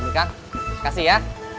ini kak kasih ya